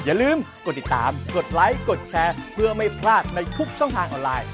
อย่าลืมกดติดตามกดไลค์กดแชร์เพื่อไม่พลาดในทุกช่องทางออนไลน์